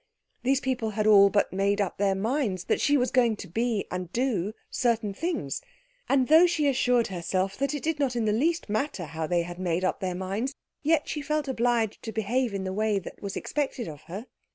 These people had all made up their minds that she was going to be and do certain things; and though she assured herself that it did not in the least matter how they had made up their minds, yet she felt obliged to behave in the way that was expected of her.